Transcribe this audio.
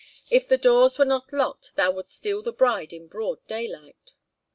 If the doors were not locked thou wouldst steal the bride in broad daylight.)